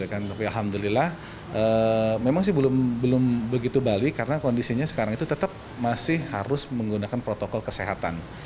alhamdulillah memang sih belum begitu balik karena kondisinya sekarang itu tetap masih harus menggunakan protokol kesehatan